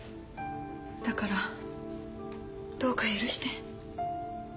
だからどうか許して。